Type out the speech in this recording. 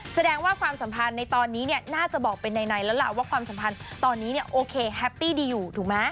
แสดงความสัมพันธ์ในตอนนี้เนี่ยน่าจะบอกเป็นในแล้วล่ะว่าความสัมพันธ์ตอนนี้เนี่ยโอเคแฮปปี้ดีอยู่ถูกไหม